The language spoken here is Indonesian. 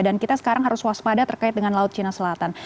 dan kita sekarang harus waspada terkait dengan laut cina selatan